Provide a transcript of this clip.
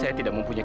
aku mau kemana